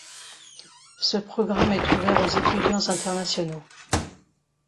Ce programme est ouvert aux étudiants internationaux.